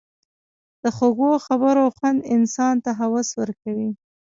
د خوږو خبرو خوند انسان ته هوس ورکوي.